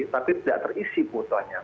tapi tidak terisi kuotanya